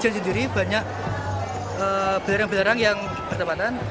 di sini sendiri banyak belerang belerang yang bertempatan